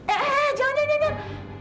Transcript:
eh eh eh jangan jangan jangan jangan